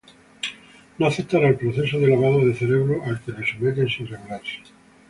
No aceptará el proceso de lavado de cerebro al que le someten sin rebelarse.